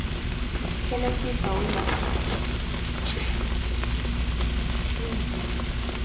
Kenethi Kaunda alianza masomo kadhaa katika kituo cha Munali mjini Lusaka